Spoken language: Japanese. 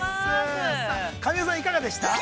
◆さあ神尾さん、いかがでした？